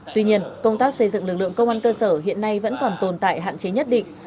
tuy nhiên công tác xây dựng lực lượng công an cơ sở hiện nay vẫn còn tồn tại hạn chế nhất định